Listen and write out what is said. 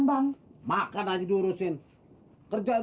ayah kan dari pagi belum makan bang